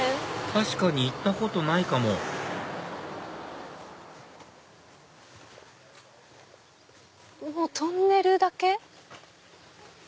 確かに行ったことないかもトンネルだけ？